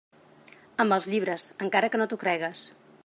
Amb els llibres, encara que no t'ho cregues.